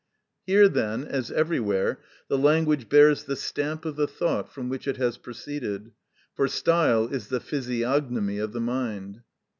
Here, then, as everywhere, the language bears the stamp of the thought from which it has proceeded, for style is the physiognomy of the mind.